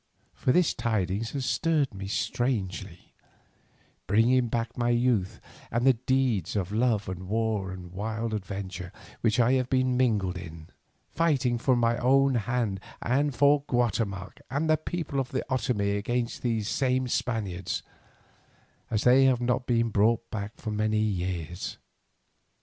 For this tidings has stirred me strangely, bringing back my youth and the deeds of love and war and wild adventure which I have been mingled in, fighting for my own hand and for Guatemoc and the people of the Otomie against these same Spaniards, as they have not been brought back for many years.